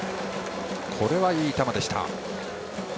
これはいい球でした。